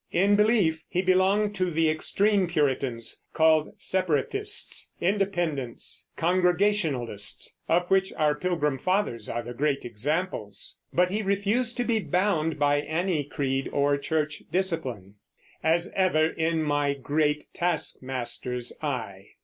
In belief, he belonged to the extreme Puritans, called Separatists, Independents, Congregationalists, of which our Pilgrim Fathers are the great examples; but he refused to be bound by any creed or church discipline: As ever in my great Task Master's eye.